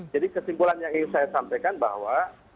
jadi kesimpulannya yang ingin saya sampaikan bahwa